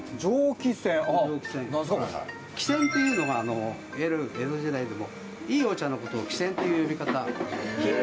喜撰っていうのが江戸時代でもいいお茶のことを喜撰っていう呼び方。